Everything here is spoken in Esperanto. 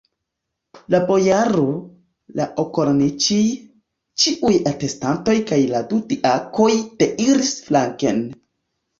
La bojaro, la okolniĉij, ĉiuj atestantoj kaj la du diakoj deiris flanken.